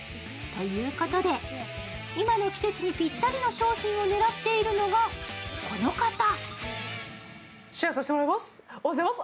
ということで、今の季節にぴったりな商品を狙っているのがこの方。